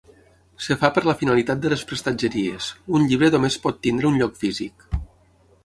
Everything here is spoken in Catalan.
Es fa per la finalitat de les prestatgeries: un llibre només pot tenir un lloc físic.